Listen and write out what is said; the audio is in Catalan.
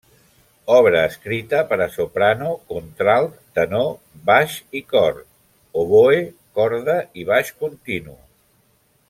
Obra escrita per a soprano, contralt, tenor, baix i cor; oboè, corda i baix continu.